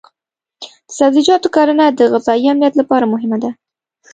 د سبزیجاتو کرنه د غذایي امنیت لپاره مهمه ده.